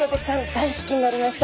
大好きになりました。